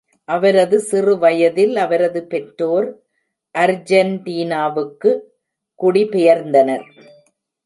அவரது சிறு வயதில் அவரது பெற்றோர் அர்ஜென்டினாவுக்கு குடிபெயர்ந்தனர்.